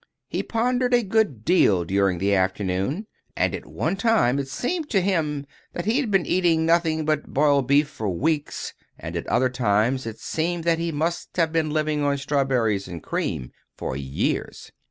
He pondered a good deal during the afternoon, and at one time it seemed to him that he had been eating nothing but boiled beef for weeks, and at other times it seemed that he must have been living on strawberries and cream for years.